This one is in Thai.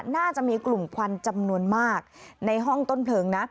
น่าจะมีกลุ่มควันจำนวนมากในห้องต้นเพลิงนะ